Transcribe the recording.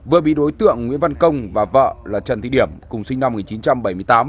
vừa bị đối tượng nguyễn văn công và vợ là trần thị điểm cùng sinh năm một nghìn chín trăm bảy mươi tám